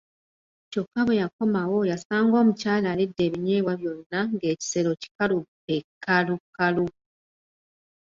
Kyokka bwe yakomawo yasanga omukyala alidde ebinyeebwa byonna nga ekisero kikalu be kkalukalu!